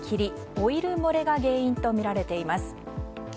オイル漏れが原因とみられています。